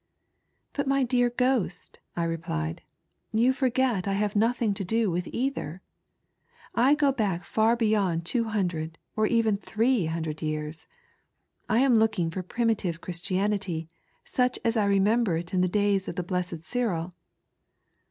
"But my dear ghost," I replied, "you forget I have nothing to do with either. I go back far beyond two hundred or even three hundred years. I am looking for primitive Christianity, such as I remember it in the days of the blessed Cyril."